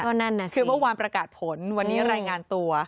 คือว่าวันประกาศผลวันนี้รายงานตัว